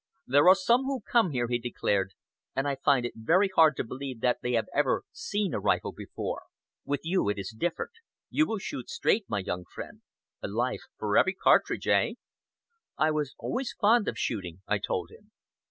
"There are some who come here," he declared, "and I find it very hard to believe that they have ever seen a rifle before. With you it is different. You will shoot straight, my young friend. A life for every cartridge, eh?" "I was always fond of shooting!" I told him.